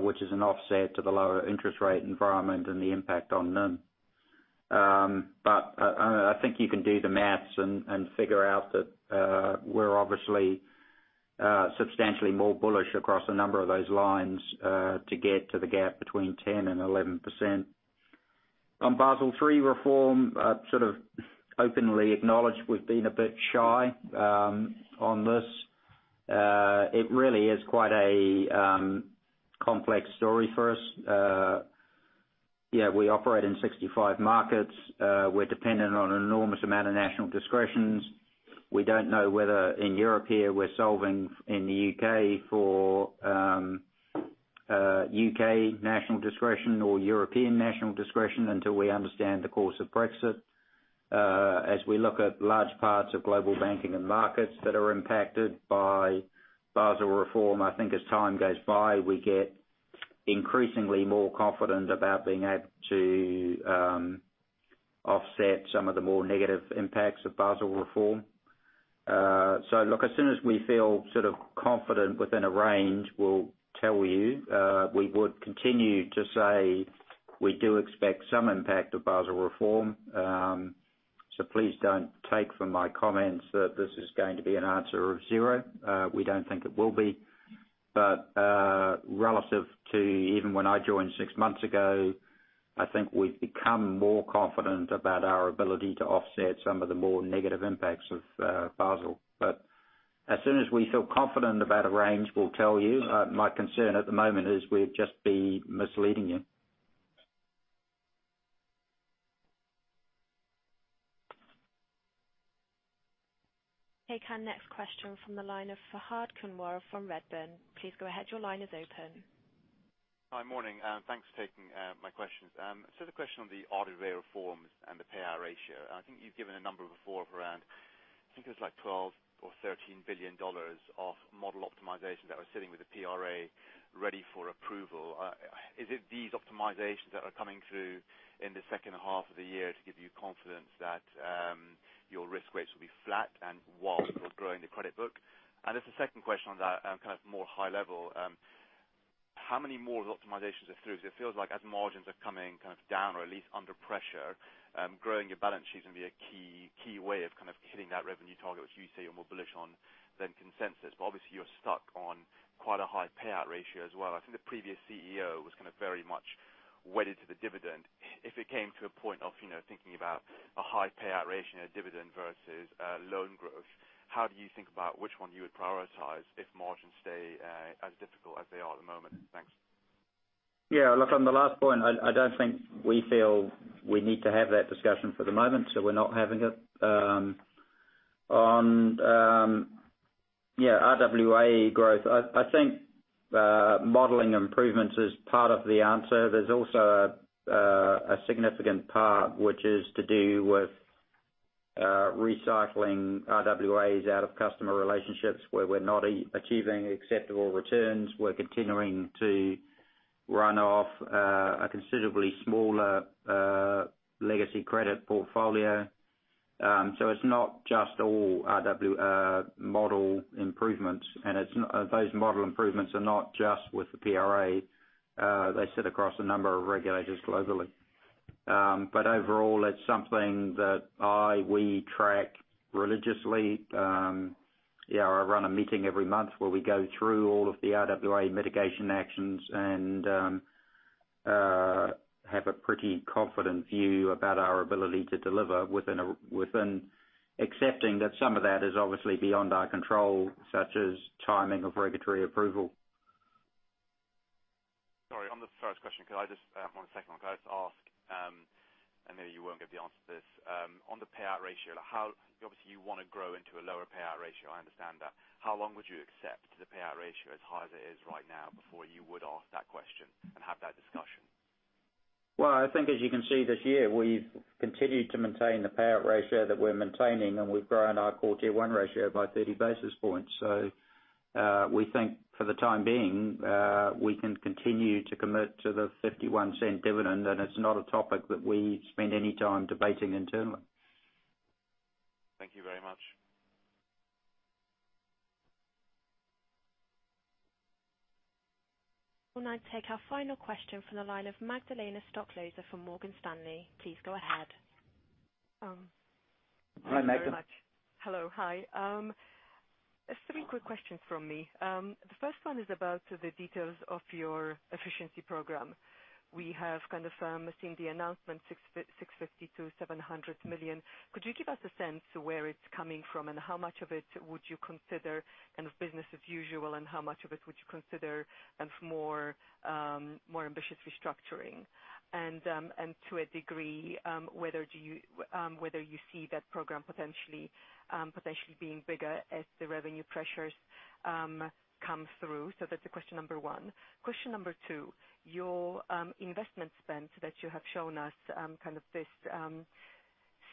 C: which is an offset to the lower interest rate environment and the impact on NIM. I think you can do the math and figure out that we're obviously substantially more bullish across a number of those lines to get to the gap between 10% and 11%. On Basel III reform, I openly acknowledge we've been a bit shy on this. It really is quite a complex story for us. We operate in 65 markets. We're dependent on an enormous amount of national discretions. We don't know whether in Europe here we're solving in the U.K. for U.K. national discretion or European national discretion until we understand the course of Brexit. As we look at large parts of global banking and markets that are impacted by Basel reform, I think as time goes by, we get increasingly more confident about being able to offset some of the more negative impacts of Basel reform. Look, as soon as we feel confident within a range, we'll tell you. We would continue to say we do expect some impact of Basel reform. Please don't take from my comments that this is going to be an answer of zero. We don't think it will be. Relative to even when I joined six months ago, I think we've become more confident about our ability to offset some of the more negative impacts of Basel. As soon as we feel confident about a range, we'll tell you. My concern at the moment is we'd just be misleading you.
A: Okay. Our next question from the line of Fahad Kunwar from Redburn. Please go ahead. Your line is open.
M: Hi. Morning. Thanks for taking my questions. The question on the RWA reforms and the payout ratio. I think you've given a number before of around, I think it was like $12 billion or $13 billion of model optimization that was sitting with the PRA ready for approval. Is it these optimizations that are coming through in the second half of the year to give you confidence that your risk rates will be flat and while you're growing the credit book? There's a second question on that, kind of more high level. How many more of the optimizations are through? It feels like as margins are coming down or at least under pressure, growing your balance sheet is going to be a key way of hitting that revenue target, which you say you're more bullish on than consensus. Obviously you're stuck on quite a high payout ratio as well. I think the previous CEO was very much wedded to the dividend. If it came to a point of thinking about a high payout ratio and a dividend versus loan growth, how do you think about which one you would prioritize if margins stay as difficult as they are at the moment? Thanks.
C: Yeah, look, on the last point, I don't think we feel we need to have that discussion for the moment, so we're not having it. On RWA growth, I think modeling improvements is part of the answer. There's also a significant part which is to do with recycling RWAs out of customer relationships where we're not achieving acceptable returns. We're continuing to run off a considerably smaller legacy credit portfolio. It's not just all RWA model improvements, and those model improvements are not just with the PRA. They sit across a number of regulators globally. Overall, it's something that we track religiously. I run a meeting every month where we go through all of the RWA mitigation actions and have a pretty confident view about our ability to deliver, accepting that some of that is obviously beyond our control, such as timing of regulatory approval.
M: Sorry, on the first question, could I just, one second, can I just ask, I know you won't give the answer to this. On the payout ratio, obviously you want to grow into a lower payout ratio, I understand that. How long would you accept the payout ratio as high as it is right now before you would ask that question and have that discussion?
C: Well, I think as you can see this year, we've continued to maintain the payout ratio that we're maintaining, and we've grown our Core Tier 1 ratio by 30 basis points. We think for the time being, we can continue to commit to the $0.51 dividend, and it's not a topic that we spend any time debating internally.
M: Thank you very much.
A: We'll now take our final question from the line of Magdalena Stoklosa from Morgan Stanley. Please go ahead.
C: Hi, Magda.
N: Thank you very much. Hello. Hi. Three quick questions from me. The first one is about the details of your efficiency program. We have seen the announcement, 650 million-700 million. Could you give us a sense where it's coming from, and how much of it would you consider business as usual, and how much of it would you consider more ambitious restructuring? To a degree, whether you see that program potentially being bigger as the revenue pressures come through. That's the question number one. Question number two, your investment spend that you have shown us,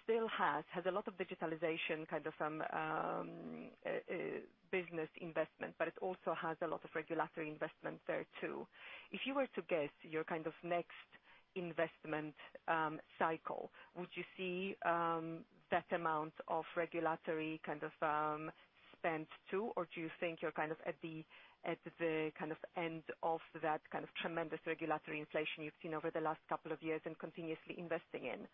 N: still has a lot of digitalization business investment. It also has a lot of regulatory investment there, too. If you were to guess your next investment cycle, would you see that amount of regulatory spend too, or do you think you're at the end of that tremendous regulatory inflation you've seen over the last couple of years and continuously investing in?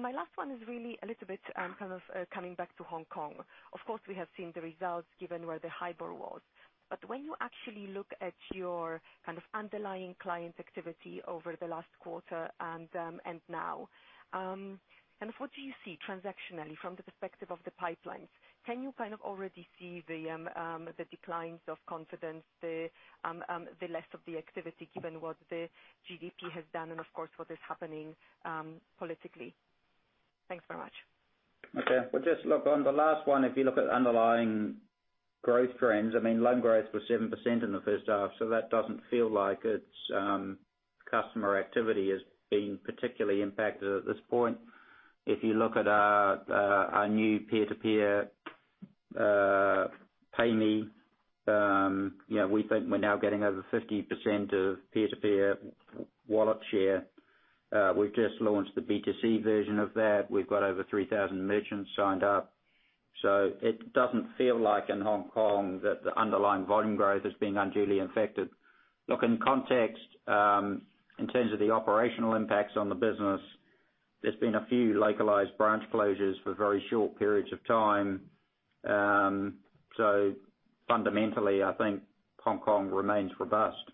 N: My last one is really a little bit kind of coming back to Hong Kong. Of course, we have seen the results given where the HIBOR was. When you actually look at your underlying client activity over the last quarter and now, what do you see transactionally from the perspective of the pipelines? Can you kind of already see the declines of confidence, the less of the activity, given what the GDP has done and of course what is happening politically? Thanks very much.
C: Okay. Well, just look on the last one, if you look at underlying growth trends, loan growth was 7% in the first half. That doesn't feel like its customer activity is being particularly impacted at this point. If you look at our new peer-to-peer PayMe, we think we're now getting over 50% of peer-to-peer wallet share. We've just launched the B2C version of that. We've got over 3,000 merchants signed up. It doesn't feel like in Hong Kong that the underlying volume growth is being unduly affected. Look, in context, in terms of the operational impacts on the business, there's been a few localized branch closures for very short periods of time. Fundamentally, I think Hong Kong remains robust.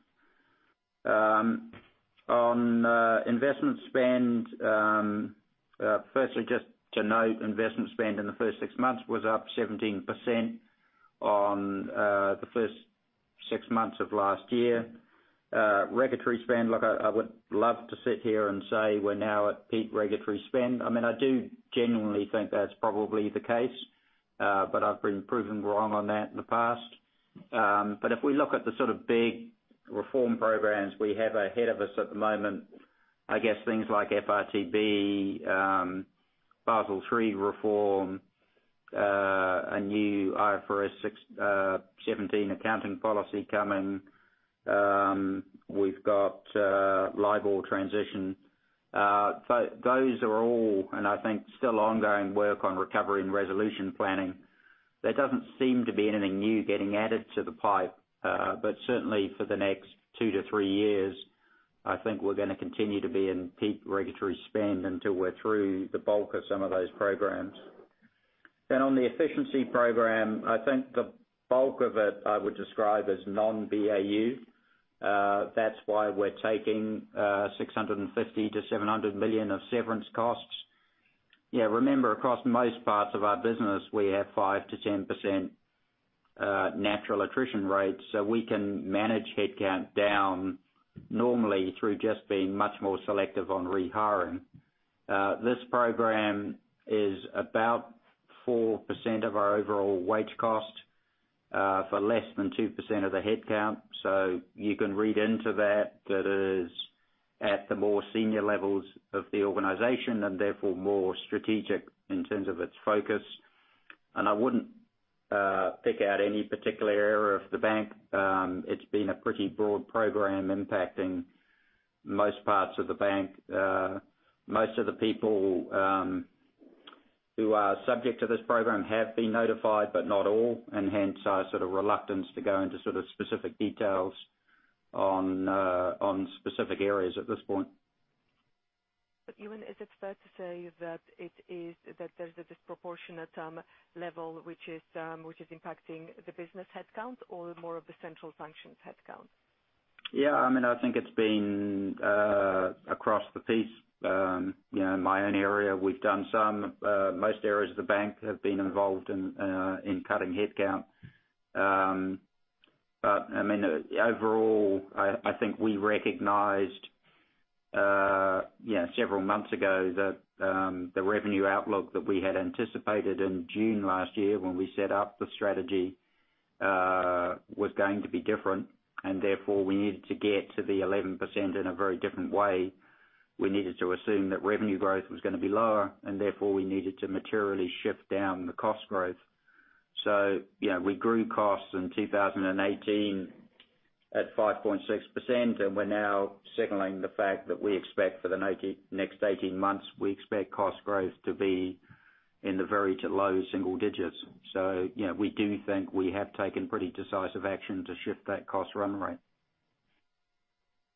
C: On investment spend, firstly, just to note, investment spend in the first six months was up 17% on the first six months of last year. Regulatory spend, look, I would love to sit here and say we're now at peak regulatory spend. I do genuinely think that's probably the case, but I've been proven wrong on that in the past. If we look at the sort of big reform programs we have ahead of us at the moment, I guess things like FRTB, Basel III reform, a new IFRS 17 accounting policy coming, we've got LIBOR transition. Those are all, I think still ongoing work on recovery and resolution planning. There doesn't seem to be anything new getting added to the pipe. Certainly for the next two to three years, I think we're going to continue to be in peak regulatory spend until we're through the bulk of some of those programs. On the efficiency program, I think the bulk of it I would describe as non-BAU. That's why we're taking $650 million-$700 million of severance costs. Remember, across most parts of our business, we have 5%-10% natural attrition rates, so we can manage headcount down normally through just being much more selective on rehiring. This program is about 4% of our overall wage cost, for less than 2% of the headcount. You can read into that is at the more senior levels of the organization and therefore more strategic in terms of its focus. I wouldn't pick out any particular area of the bank. It's been a pretty broad program impacting most parts of the bank. Most of the people who are subject to this program have been notified, but not all. Hence our sort of reluctance to go into sort of specific details on specific areas at this point.
N: Ewen, is it fair to say that there's a disproportionate level which is impacting the business headcount or more of the central functions headcount?
C: I think it's been across the piece. In my own area, we've done some. Most areas of the bank have been involved in cutting headcount. Overall, I think we recognized several months ago that the revenue outlook that we had anticipated in June last year when we set up the strategy, was going to be different. Therefore, we needed to get to the 11% in a very different way. We needed to assume that revenue growth was going to be lower, and therefore, we needed to materially shift down the cost growth. We grew costs in 2018 at 5.6%, and we're now signaling the fact that we expect for the next 18 months, we expect cost growth to be in the very low single digits. We do think we have taken pretty decisive action to shift that cost run rate.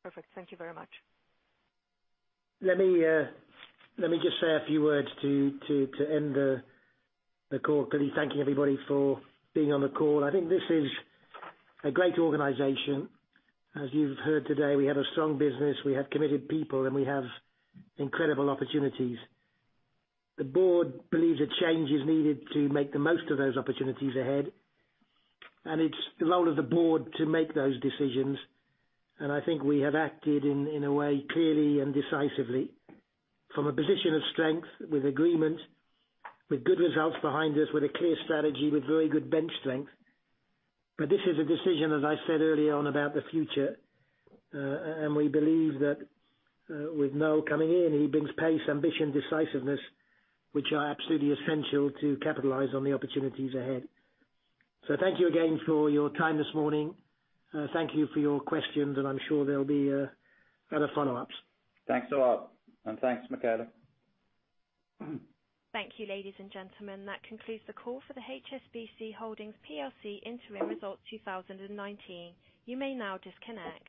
N: Perfect. Thank you very much.
B: Let me just say a few words to end the call, clearly thanking everybody for being on the call. I think this is a great organization. As you've heard today, we have a strong business, we have committed people, and we have incredible opportunities. The board believes a change is needed to make the most of those opportunities ahead. It's the role of the board to make those decisions. I think we have acted in a way clearly and decisively from a position of strength, with agreement, with good results behind us, with a clear strategy, with very good bench strength. This is a decision, as I said early on, about the future. We believe that with Noel coming in, he brings pace, ambition, decisiveness, which are absolutely essential to capitalize on the opportunities ahead. Thank you again for your time this morning. Thank you for your questions, and I'm sure there'll be other follow-ups.
C: Thanks a lot. Thanks, Michaela.
A: Thank you, ladies and gentlemen. That concludes the call for the HSBC Holdings plc interim results 2019. You may now disconnect.